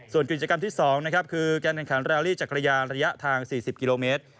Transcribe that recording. ส่วนกิจกรรมที่๒คือแกนการราลี่จักรยานระยะทาง๔๐กิโลเมตร